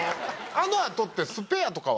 あの後って。